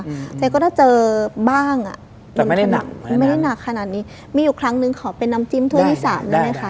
พี่แจ๊คก็เหลวเจอบ้างอ่ะแต่ไม่ได้หนักมันจะไม่ได้หนักขนาดนี้มีอีกครั้งหนึ่งขอไปนำจิ้มท่วนที่สามได้นะคะ